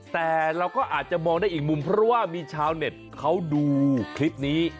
แต่เราก็อาจจะมองได้อีกมุมเพราะว่ามีชาวเน็ตเขาดูคลิปนี้